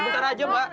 sebentar aja mbak